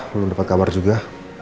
belum dapet kabar juga